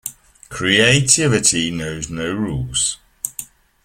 Creativity knows no rules.